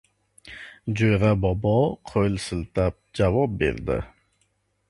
Jo‘ra bobo qo‘l siltab javob berdi.